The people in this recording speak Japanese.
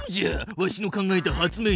わしの考えた発明品は。